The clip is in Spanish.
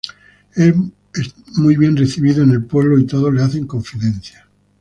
Es muy bien recibido en el pueblo y todos le hacen confidencias.